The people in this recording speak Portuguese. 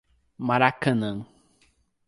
Maracanã